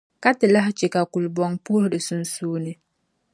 Ka Ti lahi chɛ ka kulibɔŋ puhi di sunsuuni.